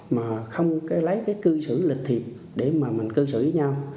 mà không lấy cư xử lịch thiệp để mà mình cư xử với nhau